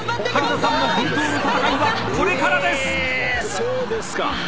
そうですか。